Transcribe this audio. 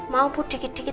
mau bu dikit dikit